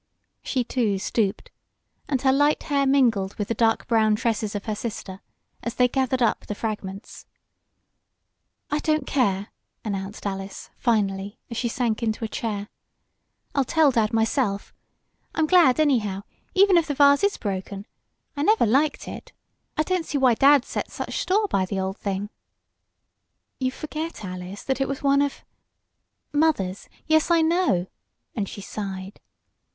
She, too, stooped and her light hair mingled with the dark brown tresses of her sister as they gathered up the fragments. "I don't care!" announced Alice, finally, as she sank into a chair. "I'll tell dad myself. I'm glad, anyhow, even if the vase is broken. I never liked it. I don't see why dad set such store by the old thing." "You forget, Alice, that it was one of " "Mother's yes, I know," and she sighed.